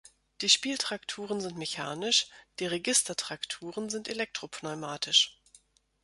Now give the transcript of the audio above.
Die Spieltrakturen sind mechanisch, die Registertrakturen sind elektropneumatisch.